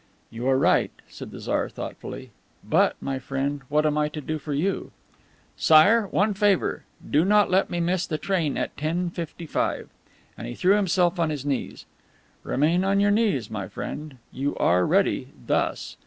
"You are right," said the Tsar thoughtfully. "But, my friend, what am I to do for you?" "Sire, one favor. Do not let me miss the train at 10:55." And he threw himself on his knees. "Remain on your knees, my friend. You are ready, thus.